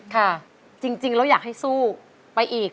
ค่ะจริงแล้วอยากให้สู้ไปอีก